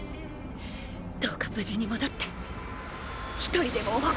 どうか無事に戻って１人でも多く。